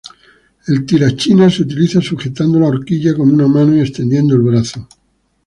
El tirachinas se utiliza sujetando la horquilla con una mano y extendiendo el brazo.